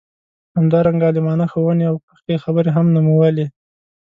همدارنګه عالمانه ښووني او پخې خبرې هم نومولې.